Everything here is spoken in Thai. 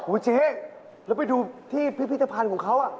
เจ๊แล้วไปดูที่พิพิธภัณฑ์ของเขา